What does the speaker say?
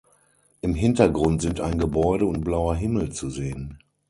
Im Hintergrund sind ein Gebäude und blauer Himmel zu sehen.